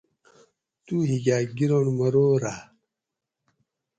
توُئ ہیکاۤ گِرنت مروراۤ